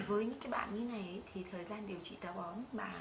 với những bạn như này thì thời gian điều trị táo bón ba